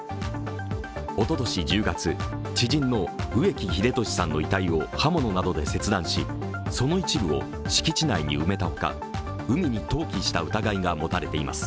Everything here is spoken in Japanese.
おととし１０月、知人の植木秀俊さんの遺体を刃物などで切断しその一部を敷地内に埋めたほか海に投棄した疑いが持たれています。